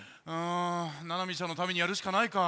ななみちゃんのためにやるしかないか。